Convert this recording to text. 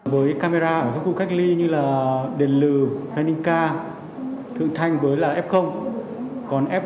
với camera ở các khu cách ly như là đền lừ phénica thượng thanh với là f